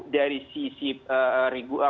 dari sisi pendekatan